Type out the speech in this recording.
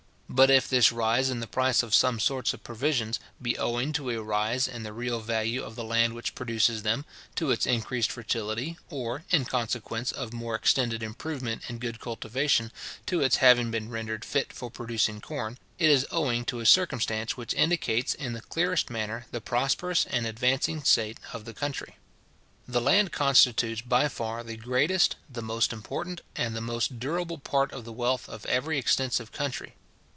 But if this rise in the price of some sorts of provisions be owing to a rise in the real value of the land which produces them, to its increased fertility, or, in consequence of more extended improvement and good cultivation, to its having been rendered fit for producing corn; it is owing to a circumstance which indicates, in the clearest manner, the prosperous and advancing state of the country. The land constitutes by far the greatest, the most important, and the most durable part of the wealth of every extensive country.